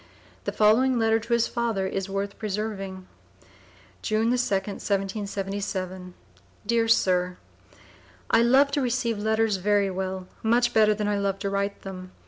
The following letter to his father is worth preserving: BRAINTREE, June the 2d, 1777. DEAR SIR, I love to receive letters very well, much better than I love to write them.